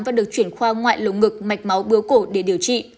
và được chuyển khoa ngoại lồng ngực mạch máu bướu cổ để điều trị